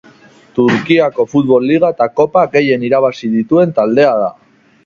Turkiako futbol liga eta kopa gehien irabazi dituen taldea da.